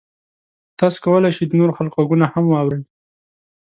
تاسو کولی شئ د نورو خلکو غږونه هم واورئ.